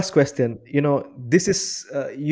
gita pertanyaan terakhir saya